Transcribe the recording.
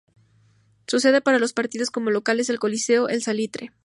Su sede para los partidos como local es el Coliseo El Salitre.